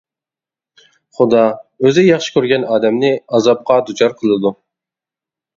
«خۇدا ئۆزى ياخشى كۆرگەن ئادەمنى ئازابقا دۇچار قىلىدۇ» .